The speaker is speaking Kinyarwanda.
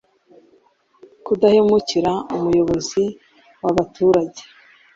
Kudahemukira umuyobozi wabaturage